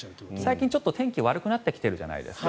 最近、天気が悪くなっているじゃないですか。